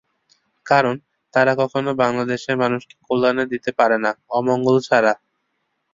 কারণ, তারা কখনো বাংলাদেশের মানুষকে কল্যাণ দিতে পারে না, অমঙ্গল ছাড়া।